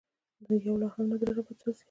د یوه لا هم زړه نه راباندې سوزي